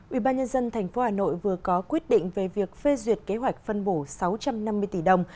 ubnd tp hà nội vừa có quyết định về việc phê duyệt kế hoạch phân bổ sáu trăm năm mươi tỷ đồng